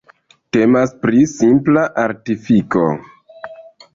Temas pri simpla artifiko...